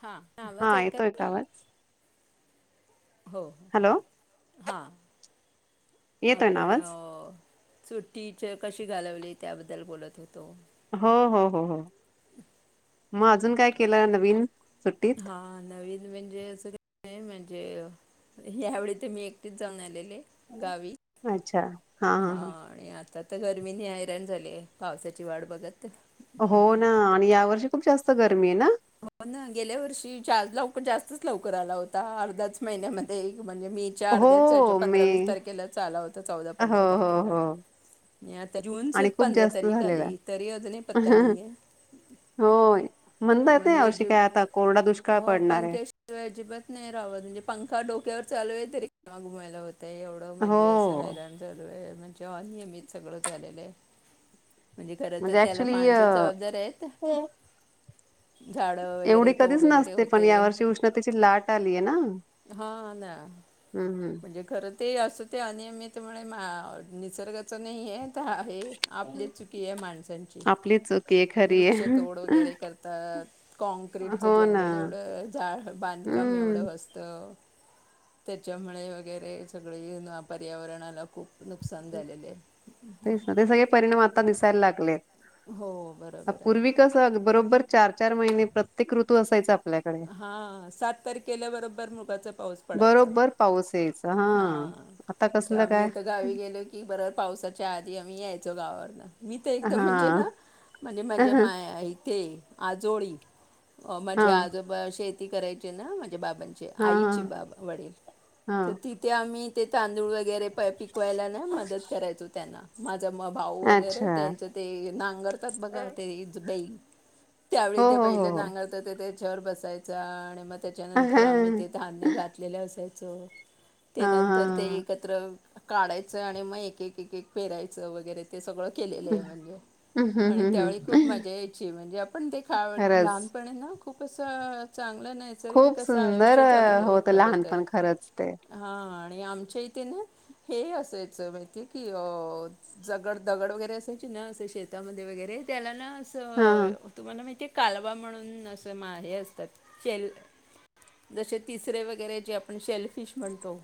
हां हा आवाज ऐका येतोय का आवाज हो हो हॅलो हां. येतोय ना आपण आवाज अ सुट्टी च्य कशी घालवली त्याबद्दल बोलत होत हो हो हो हो. मग अजून काय केलं नवीन? सुट्टीत हा नवी म्हणजे असं म्हणजे ह्यावेेळी ते मी एकटीच जाऊन आलेले. गावी अच्छा हा हा हा. हां आणि आता गरमीने हायराण झाली पावसाची वाढ बघत हो ना आणि यावरशी खूप जास्त गरमी आहे ना? हो ना, गेल्या वर्षी जा लवकर जास्तच लवकर आला होता हा अर्धाच महिन्यामध्ये. म्हणजे मे च्या अर्ध्याच ह्याच्या हो पंधरा मे वीस तारखेला आला होता चौदा हो पंधरा हो तारखेला हो नि आता आणि जूनचेच खूप पंधरा जास्त तारीख झालेला आली तरी अजूनही पत्ता नईये. हो म्हणता येत नाही म्हणजे यावर्षी अजिब काय आता कोरडा दुष्काळ हो पडणार आहे पंक्या शिवाय अजिबात नाही रावत म्हणजे पंखा डोक्यावर चालू आहे तरी ते घुमायला होत. ते एवढं म्हणजे अस हो हैराण झालोय. म्हणजे अनियमित सगळं झालेलं आहे. म्हणजे खरं तर त्याला माणसं जबाबदार आहेत. झाडं वगैरे एवढी कधीच तोड वगैरे नसते होते पण यावर्षी उष्णतेची लाट आलीय ना हम्म हां ना हम्म. म्हणजे खरं ते असं ते अनियमितमुळे मा निसर्गाचं नई हे आहे. चहा आहे हम्म आपलीच चुकी आहे माणसांची आपली चुकी आहे खरी वृक्ष आहे तोड वगैरे कर अ काँक्रीटचं हो ना जंगल एवढं झा बांधकाम एवढं हम्म. असतं. त्याच्यामुळे वगैरे सगळे युन पर्यावरणाला खूप नुकसान झालेले आहे तेच ना ते सगळे परिणाम आता दिसायला लागले. हो आ बरोबर पूर्वी आहे कस बरोबर चार चार महिने प्रत्येक ऋतू असायचा. आपल्याकडे. हां सात तारखेला बरोबर मृगाचा पाऊस पडायचा. बरोबर पाऊस यायचा हा. हां आता त कसलं आम्ही काय आता गावी गे लो की बरोबर पावसाच्या आधी आम्ही यायचो गावावरन. मी त एकदम हा म्हणजे ना म्हणजे माझ्या माय इथे आजोळी. हो हा हा म्हणजे आजोबा शेती करायचे ना बाबांचे आईचे हा बाबा वडील हा. तर तिथे आम्ही ते तांदूळ वगैरे पिकवायला ना मदत करायचो त्यांना त्याचा भाऊ वगैरे अच्छा त्यांचे ते नांगरतात बघा ते बैल त्यावेळी हो ते हो हो पहिले हो. नांगरतात ते बसायचा आणि मग त्याच्यानंतर आम्ही ते धान्य घातलेले असायचे च ते हा हा नंतर ते एकत्र काढायचं आणि मग एक एक पेरायचं वगैरे ते सगळं केलेलं आहे म्हणजे आणि हम्म त्यावेळी खूप मजा यायची म्हणजे आपण ते खा खरंच. लहानपणे नाू. खूपच चांग. खूप सुंदर होत लहानपण खरंच ते. हा आणि आमच्या इथे ना हे असायच माहिती की अ दगड दगड वगैरे असाय कि न अस शेतामध्ये वगैरे त्याला ना. हा तुम्हाला माहिती. कालवा म्हणून अस हे असतात शेल जसे तिसरे वगैरे जे आपण शेलफिश. बनतो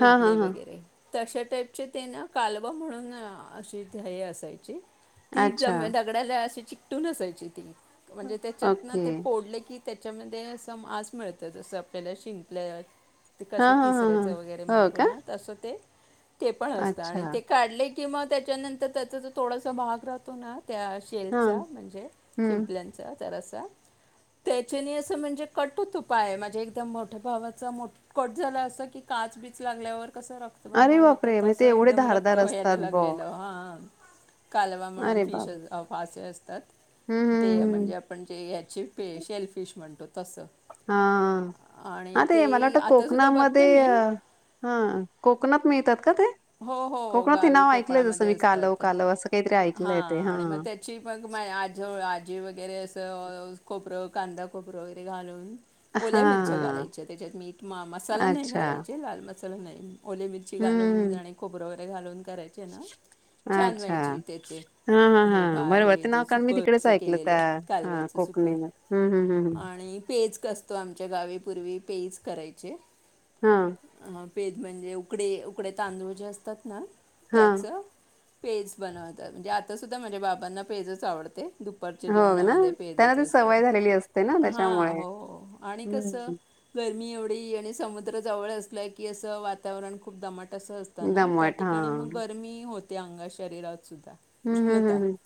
हा हा हा. वगैरे. तशा टाईपचे ते ना कालवा म्हणून अशीय असायची. ती अच्छा जम दगडाला अशी च. तूूनसायची ती. म्हणजे त्याच्यात ना ओके ते पोडले की. त्याच्यामध्ये असं मस मिळतं अससं आपल्याला शिंकल्या. ते हा कसे हा हा तिसऱ्याचं वगैरे हा हो म्हणतो का. ना तसं ते. ते पण असतं अच्छा आणि ते काढले. किंवा त्याच्यानंतर त्याचा तर थोडासा भाग राहतो ना. त्या हा शेलचा म्हणजे हम्म शिंपल्यांचा जरासा. त्याच्या अस म्हणजे कटुत उपाय म्हणजे एकदम मोठ्या भावाचा. कट झाला असं की काच बीच लागल्यावर. कसं अरे रक्तबंबाळ होत बापरे म्हणजे ते तसं एवढे एकदम रक्त धारदार व्हायला असतात बुवा लागलेलं हा. कालवा म्हणून अरे फिश. बाप ज असतात. हम्म हम्म ते हम्म म्हणजे आपण जे हची शेलफिश म्हणतो. तसं हा आणि हा ते मला वाट कोक. आतासुद्धा बघते कोकणामध्ये मी ह कोकणात मिळतात का. ते हो हो कोकणात हे गावी नाव ऐकलंय जसं कोकणामध्ये मी कालव असतात कालव असं काहीतरी हा ऐकलंय ते आणि मग त्याची म आज आजी वगैरे अस. खपरं कांदा कोपरं वगैरे घालून. ओल्या मिरच्या हा घालायच्या, त्याच्यात मीठ मसाला नाही अच्छा घालायचे, लाल म चल. ओले मिरची घालून हम्म जा. बररो वरे घालून. कराय ना अच्छा छानवायची त्या हा हा हे हा बरोबर ते बाे नाव कारण मी सुक तिकडेच अस ऐकलं त्या केलेलं हा कालव्याच सुक कोकणीमध्ये हम्म हम्म हम्म आणि पेज. असतो आमच्या गावीपूर्वी पेच करायचे हम पेद म्हणजे उकडे उकडे तांदूळ जे असतात ना हा त्याचं पेज बनवतात म्हणजे आता सुुद्धा माझ्या बाबांना पेजच आवडते दुपारच्या हा हो ना जेवणामध्ये त्यांना पेजत ती असते सवय झालेली असते ना हां त्याच्यामुळे हो आणि कसं हम्म ग मी एवढी आणि समुद्रजवळ असलय की असं वातावरण खूप दमाट असत त्या दमट हा ठिकाणी मग हम्म गरमी हो ते अंगा शरीरात सुद्धा हम्म हम्म उष्णता हम्म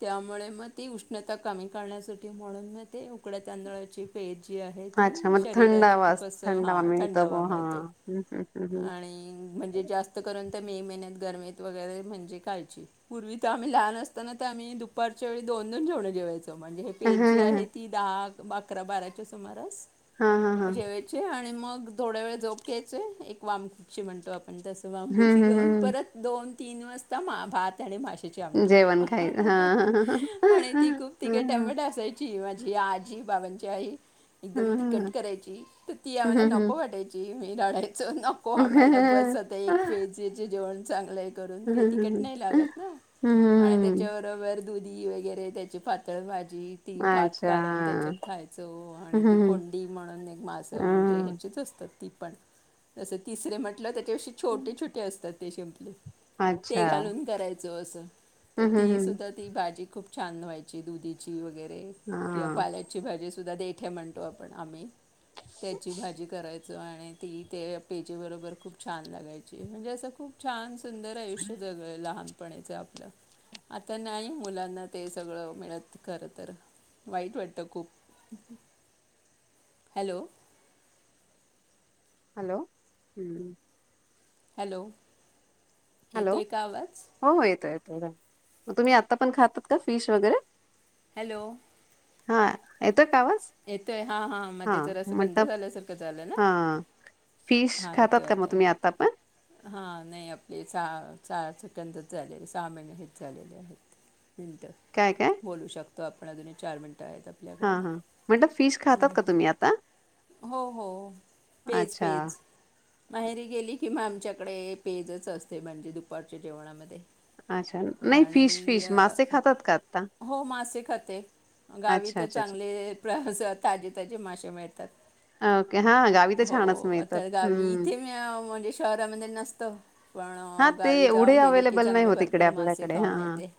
त्यामुळे मग ती उष्णता कमी करण्यासाठी म्हणून मग ते उकड्या तांदळाची पेद जी आहे ती अच्छा मग थंड शरीराला हवा खूप अस थंड हा हवा मिळतो ब थंडावा हा मिळतो हम्म हम्म हम्म आणि म्हणजे जास्त करून त्या मे महिन्यात गर्मेत वगैरे म्हणजे कायची पूर्वी तर आम्ही लहान असताना ते आम्ही दुपारच्या वेळी दोन दोन जेवणं जेवायच म्हणजे हे पेट जी आहे हम्म. ती डाग अकरा बाराच्या सुमारास हा हा हा जेवायचे आणि मग थोड्या वेळ जोप घ्यायचय एक वामखुपची म्हणतो आपण तसं ममगुशी हम्म हम्म घेऊन हम्म परत दोन तीन वाजता मा भात आणि माश जेवण खाय हा आमट हा आणि ती खूप हा तिके हा. टमट असाय जवजी आजी पवनच्याही एकदम ती कट हम्म करायची तर ती हम्म आम्हाला हम्म नको वाटायची मीराडे नको आम्हाला उपस जा एक फेजीचे जेवण चांगले आहे त हम्म नाही लात हम्म त्याच्याबब दुधी वगैरे त्याची पातळ माहि जी ती भात अच्छा कालवून त्याच्यात खायचो आणि ती हम्म कोंडी म्हणून एक मासं म्हणजे हम्म ह्याचीच असतात त पण जसे तिसरे म्ह [inaudible] छटे छोटे असतात ते शेमपले ते अच्छा घालून करायचं जो असं तर हम्म हम्म ती हम्म सुद्धा ती भाजी खूप छदान व्हायची दुधीची वगैरे किंवा हा पाल्याची भाजी सुधा देठे म्हणतो आपण आम्ही त्याची भाजी कराय आणि ती ते पेजी बरोबर खूप छान लागायची म्हणजे असं खूप छान सुंदर आयुष्य जग लहान आ मुलांना ते सगळ मित खर तर वाई वाटत खप हलो हॅलो हम्म हॅलो हे हॅलो तु का वाच हो हो येतो मग तुम्ही आता पण खातात का फिश वगैरे हॅलो हा का आवाज? येतोय हा हा मग ते तर अस बंद झाल्यासारखं झालं ना हा फिश हा येतोय खातात का मग आता तुम्ही पण? हा नाही आपली हा चहा सुटंदच झाले सहा महिने हेच झालेले आहेत मिट काय काय? बोलू शकतो त आपण दून चार मिनट काय आहेत आपल्याकडे बेट फिश खातात का तुम्ही आता हो हो पेज अच्छा पेज माहेरी गेली कि मग आमच्याकडे पेजच असते म्हणजे दुपारच्या जेवणामध्ये अच्छा नाही फिश आणि फिश अ, मासे खातात का आता ते गावी अच्छा तर अच्छा अच्छा चांगले ताजे ताजे मासे मेळात ओके हा गावी तर हो छानच मिळतात. आता गावी हम्म इथे मी म्हणजे शहरामध्ये नसतं हा पण ते गावी एवढे जाऊ गेले की अवेलेबल नाही चांगले होत इकडे भरपूर मासे आपल्याकडे हा खाऊन येते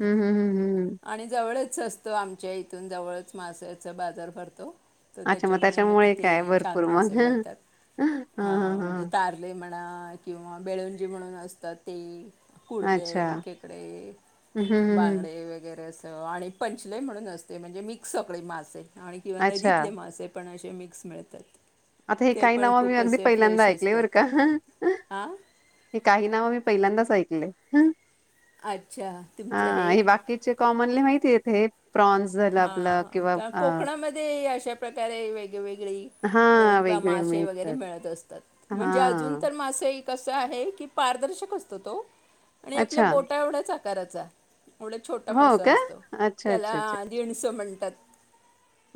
हम्म हम्म हम्म हम्म आणि जवळच असतो आमच्या इथून जवळच मास बाजार भरतो तर अच्छा त्याच्यामुळे मग तिथे काय छान भरपूर मग मासे मिळतात हा ह हा म्हणजे हा तारले म्हणा किंवा बेळ म्हणून असतात ते कुडले अच्छा केकडे हम्म हम्म हम्म बांगडे वगैरे अस आणि पंचले म्हणून असते म्हणजे मिक्स सगळी मास आणि किंवां अच्छा नदीतले मासे. पण असे मिक्स मिळतात. आता हे ते काही पण नावं मी खूप अगदी असे पहिल्यांदा फ्रेश ऐकले बरं का, असतात हां हे काही नावं मी पहिल्यांदाच ऐकले. हम्म. अच्छा तुमचे हा हे बाकीचे कॉमनली माहिती आहे इथे. हा कोकणामध्ये अशा प्रकारे वेगळे वेगळे हा [unintelligible] वेगळे मासे वगैरे मिळतात मिळतं असतात, हा म्हणजे अजून तरं मासे कसं आहे की पारदर्शक असतो तो. आणि आपल्या अच्छा बोटा एवढ्याच तरचं [unintelligible] एवढा छोटा हो मासा का असतो. अच्छा त्याला अच्छा अच्छा असं म्हणतात.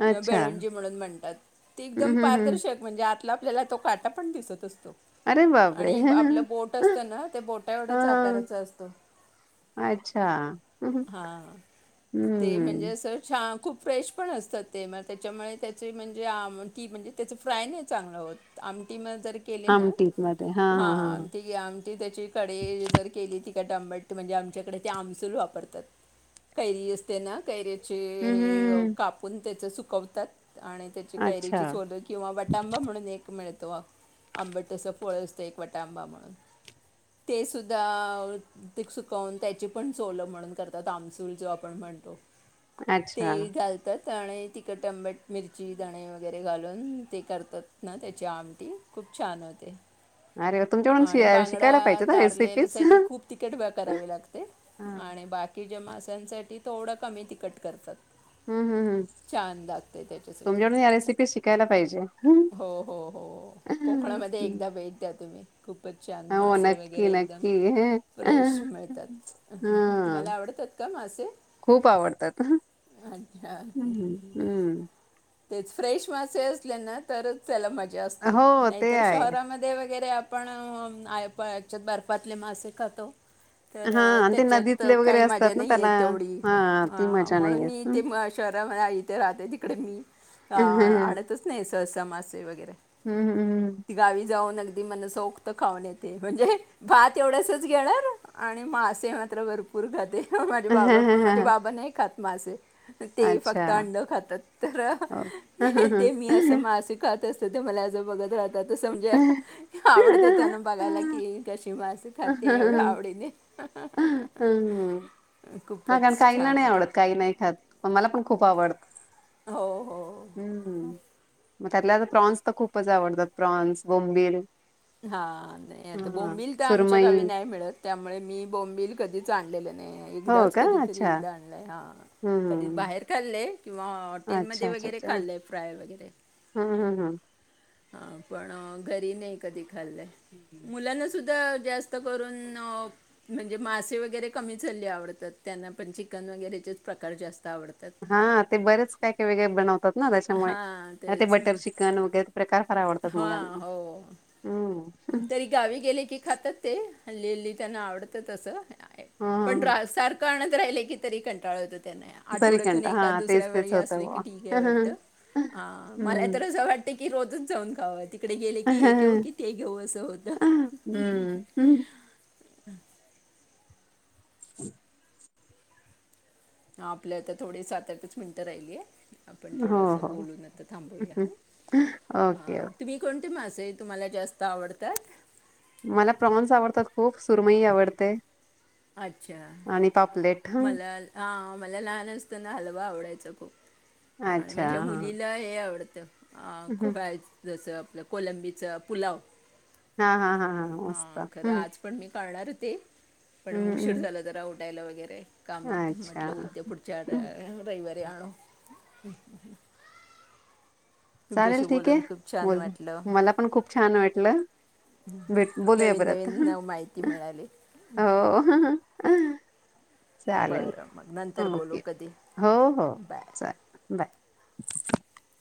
किंवा अच्छा बेळणजी म्हणून म्हणतात एकदम हम्म हम्म हम्म पारदर्शक म्हणजे, आपल्याला तो काटा पण दिसतं असतो. अरे बापरे आणि आपलं बोट असतं ना ते बोटा एवढेच हा आकाराच असतं, अच्छा हा ते हम्म म्हणजे, छान खूप फ्रेश पण असतात. ते मग त्याच्यामुळे त्याची म्हणजे आमटी म्हणजे त्याच फ्राय नाही चांगलं होतं, आमटी तरं केले ना, हा त्याची आमटी त्याची कढी जरं केली ती [unintelligible] आंबट म्हणजे आमच्याकडे ते आमसूल वापरतात, कैरी असते ना कैरी [unintelligible] हम्म हे हम्म कापून. त्याचं सुकवतातं. आणि त्याची अच्छा कैरीची सोलं किंवा वटांबा म्हणून एक मिळत. तो आंबट अस फळं असतं. एक वटांबा म्हणून, ते सुद्धा सुकवून त्याची पण सोलं म्हणून करतात आमसूल जो आपण म्हणतो. अच्छा ते घालतातं. त्याने तिखट आंबट मिरची धणे वगैरे घालून ते करतात ना त्याची आमटी खूपं छानं होते. अरे वाह! तुमच्याकडून शि आणि शिकायला बांगडा पाहिजे ना तारलेल्या रेसिपीज साठी खूप तिखट करावी लागते हम्म आणि बाकी- माांस्यासाठी थोडं कमी तिकट. करतात. हम्म हम्म छानं लागते त्याच्यासाठी तुमच्याकडून या रेसिपी शिकायला पाहिजे. हो, हो, हो कोकणामध्ये एकदा भेट द्या तुम्ही. खूपचं छानं हो मासे नक्की वगैरे एकदम नक्की फ्रेश मिळतात. हा तुम्हाला आवडतात का मासे? हम्, अच्छा हम्म. तेच फ्रेश मासे असले ना तरच त्याला मज- [unintelligible] हो नाही ते तर आहे. शहरांमध्ये वगैरे. पण, आपणच्यात बर्फातले मासे खातो, तर हा अ, आणि ते त्याच्यात नदीतले वगैरे काही मजा असतात ना नाही आहे त्याला तेवढी हा ती मजा म्हणून नाही येत. मी हं. ते शहरामध्ये इथे राहते तिकडे मी हम्म आणतच नाही सहसा मासे वगैरे, हम्म गावी जाऊन अगदी मनसौक्त खाऊन येते म्हणजे भात एवढ्यासच घेणार आणि मासे मात्र भरपूर खाते. माझे बाबा पण माझे हम्म बाबा नाही खात मासे. ते फक्त अच्छा अंड खातात तर ह हो. हह ते मी असं मासे खात असत तर ते मलाजं बघत राह त समजा आवड तेना बगायला की कशी हि मासे खाते एवढं हम्म आवडीने ह ह हह खूपच त्यांना. छान नाही आवडत काही नाही खात? मला पण खूप आवड हो हो हम्म मग त्यातल्या आ तर प्रॉन्स तर खूपच आवडतात प्रॉन्स, बोंबील हा नाही आता हा बोंबील ते आमच्या सुरमई गावी नाही मिळत त्यामुळे मी बोंबील कधीच आणलेले आणि हो एकदाच का कधीतरी अच्छा एकदा आणलं हां कधीच हम्म बाहेर खाललं [unintelligible] किंवा हॉटेलमध्ये अच्छा अच्छा वगैरे अच्छा खाल्लंय फ्राय वगैरे हम्म हम् हम् हा पण घरी नाही कधी खाल्लाय हम्म मुलांना सुद्धा जास्त करून म्हणजे मासे वगैरे कमी झालले आवडतात त्यांना पण चिकन वगैरेचेच प्रकार जास्त आवडतात हा ते बरेच काय काय वेगळे बनवतात ना त्याच्यामुळे हां ते तेच बटर चिकन वगैरे प्रकार फार आवडतात हां मुलांना हो हम्म तरी गावी गेले की खातात ते खाल्लेली त्यांना आवडतं तसं पण ह रा सारख राहिले की तरी कंटाळत नाही आठवड्यातून जरीकंठ हा कंटा, एका हा, दुसऱ्या तेच तेच वेळी होतं असले की बुवा ठीक आहे वाटत मला हम्म तर असं वाटत की की रोजच जाऊन खाव कडे गेले की हे हो क ते घेऊ असं होत हं हम्म [unintelligible] ह आपल्या तर थोडी सात आठ च मिनिटं राहिलीय आपण हो थोडस हो बोलून आता थांबूया ओके ह ओके तुम्ही कोणते मा ते तुम्हाला जास्त आवडतात मला प्रॉन्स आवडतात खूप सुरमई आवडते अच्छा आणि पापलेट हं. मला हा मला लहान असताना हलवा आवडायचा [unintelligible] आणि अच्छा माझ्या हां. मुलीला हे आवडत [unintelligible] हं. खूप आहेत जस कोलंबीच पुलाव हा हा हा हा मस्त हम्म करणार होते पण मग उशीर झाला तर आवड. ायॉग वगैरे हं. कामात अच्छा. म्हटलं उद्या पुढच्या हं. रविवारी आणो. हम्म हम्म ह. चालेल ठीक आहे बोल वाटलं मला पण खूप छान वाटलं. भेट बोलूया नवीन परत. नवीन माहिती मिळाली. हम्. चालेल बरं मग नंतर बोलू ओके कधी हो हो बाय चालेल बाय. [inaudible]